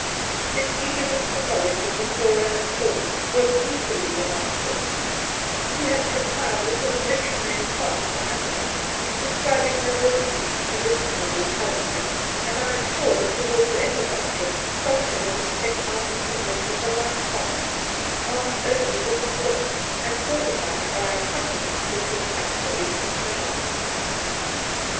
His ^jEtgeTness for knowledge of the flora and fauna was 58 Soltke equally remarkable : he had compiled a sort of dictionary of plants and animals, describing their virtues, medicinal or culinary, and I am sure that towards the end of our trip Soltk^ would have set out into the Bush with a light heart, armed only with his book, and fortified by a confidence which was absolutely phenomenal.